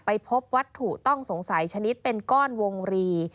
พบวัตถุต้องสงสัยชนิดเป็นก้อนวงรี